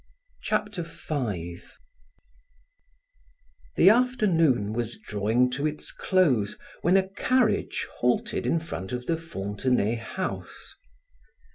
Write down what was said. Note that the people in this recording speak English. Chapter 5 The afternoon was drawing to its close when a carriage halted in front of the Fontenay house.